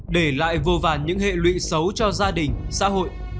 để lại vô vàn những hệ lụy xấu cho gia đình xã hội